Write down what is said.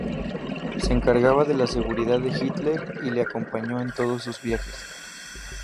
Se encargaba de la seguridad de Hitler y le acompañó en todos sus viajes.